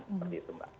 seperti itu mbak